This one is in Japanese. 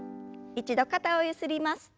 一度肩をゆすります。